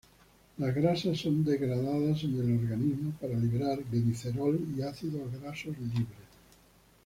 Las grasas son degradadas en el organismo para liberar glicerol y ácidos grasos libres.